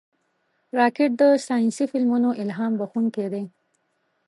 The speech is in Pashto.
راکټ د ساینسي فلمونو الهام بښونکی دی